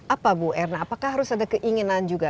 apa bu erna apakah harus ada keinginan juga